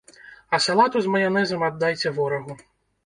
А салату з маянэзам аддайце ворагу.